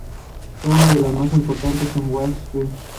Fue una de las más importantes en Wall Street.